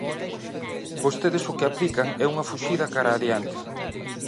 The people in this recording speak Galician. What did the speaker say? Vostedes o que aplican é unha fuxida cara adiante.